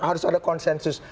harus ada konsensus